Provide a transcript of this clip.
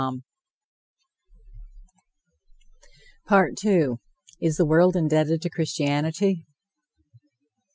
] PART II. IS THE WORLD INDEBTED TO CHRISTIANITY?